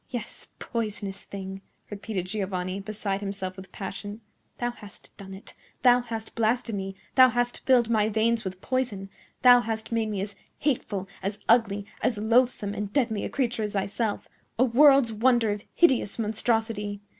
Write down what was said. "Yes, poisonous thing!" repeated Giovanni, beside himself with passion. "Thou hast done it! Thou hast blasted me! Thou hast filled my veins with poison! Thou hast made me as hateful, as ugly, as loathsome and deadly a creature as thyself—a world's wonder of hideous monstrosity!